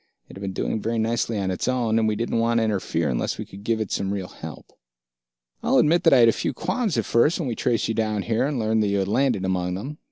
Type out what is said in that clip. It had been doing very nicely on its own, and we didn't want to interfere unless we could give it some real help. "I'll admit that I had a few qualms at first, when we traced you here and learned that you had landed among them.